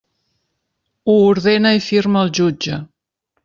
Ho ordena i firma el jutge.